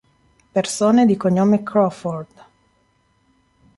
Persone di cognome Crawford